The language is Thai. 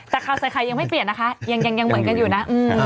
แต่ข่าวใส่ไข่ยังไม่เปลี่ยนนะคะยังเหมือนกันอยู่นะ